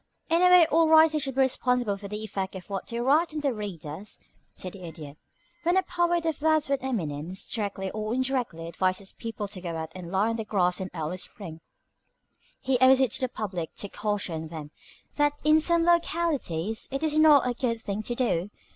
"In a way all writers should be responsible for the effect of what they write on their readers," said the Idiot. "When a poet of Wordsworth's eminence, directly or indirectly, advises people to go out and lie on the grass in early spring, he owes it to his public to caution them that in some localities it is not a good thing to do.